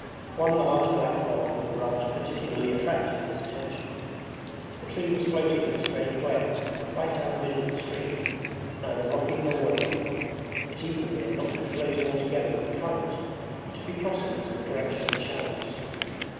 One large black log with a branch particularly attracted his attention. The tree was floating in a strange way right down the middle of the stream, neither rocking nor whirling. It even appeared not to be floating altogether with the current, but to be crossing it in the direction of the shallows.